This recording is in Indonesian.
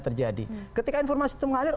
terjadi ketika informasi itu mengalir